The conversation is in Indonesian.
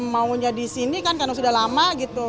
maunya disini kan karena sudah lama gitu